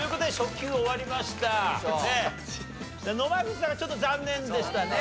野間口さんがちょっと残念でしたね。